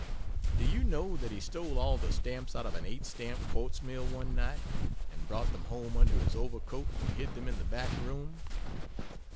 Do you know that he stole all the stamps out of an 8 stamp quartz mill one night, and brought them home under his over coat and hid them in the back room?